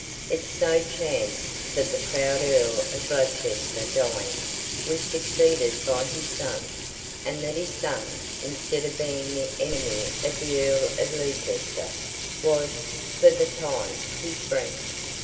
It so chanced that the proud Earl of Gloucester dying, was succeeded by his son; and that his son, instead of being the enemy of the Earl of Leicester, was (for the time) his friend.